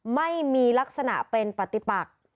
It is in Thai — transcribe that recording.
ไม่มีลักษณะเป็นปฏิปัก